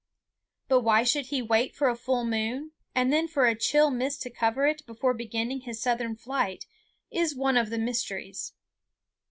But why he should wait for a full moon, and then for a chill mist to cover it, before beginning his southern flight is one of the mysteries.